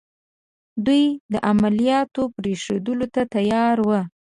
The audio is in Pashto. دوی د عملیاتو پرېښودلو ته تیار وو.